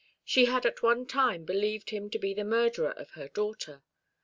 She had at one time believed him to be the murderer of her daughter.